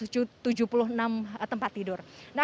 nah kalau kita bicara bagaimana